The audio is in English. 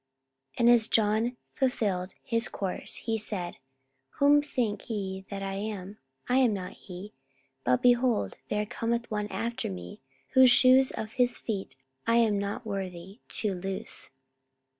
44:013:025 And as John fulfilled his course, he said, Whom think ye that I am? I am not he. But, behold, there cometh one after me, whose shoes of his feet I am not worthy to loose.